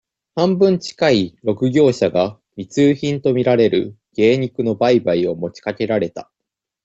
半分近い、六業者が、密輸品とみられる、鯨肉の売買を持ちかけられた。